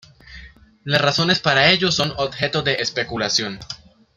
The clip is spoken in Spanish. Las razones para ello son objeto de especulación.